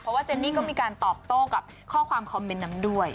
เพราะว่าเจนนี่ก็มีการตอบโต้กับข้อความคอมเมนต์นั้นด้วย